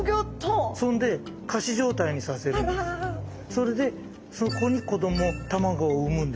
それでそこに子ども卵を産むんです。